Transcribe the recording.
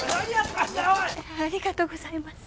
ありがとうございます。